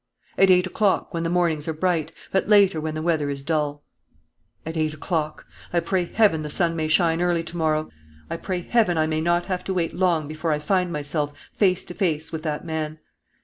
"' "At eight o'clock, when the mornings are bright; but later when the weather is dull." "At eight o'clock! I pray Heaven the sun may shine early to morrow! I pray Heaven I may not have to wait long before I find myself face to face with that man!